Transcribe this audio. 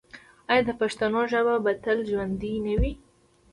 آیا د پښتنو ژبه به تل ژوندی نه وي؟